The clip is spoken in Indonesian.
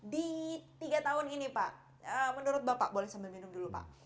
di tiga tahun ini pak menurut bapak boleh sambil minum dulu pak